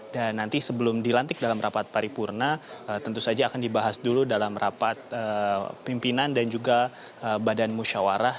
dan nanti sebelum dilantik dalam rapat paripurna tentu saja akan dibahas dulu dalam rapat pimpinan dan juga badan musyawarah